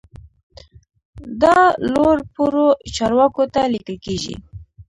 دا لوړ پوړو چارواکو ته لیکل کیږي.